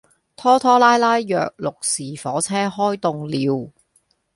拖拖拉拉約六時火車開動了